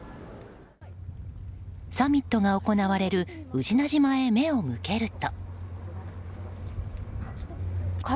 サミットが行われる宇品島へ目を向けると。